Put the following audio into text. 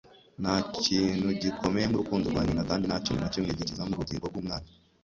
nta kintu gikomeye nk'urukundo rwa nyina, kandi nta kintu na kimwe gikiza nk'ubugingo bw'umwana